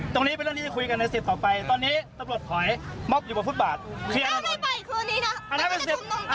ต้องเงินการทางคุณหมายโทษหนักน้อยแล้วแต่ที่พวกเราทำก่อนไป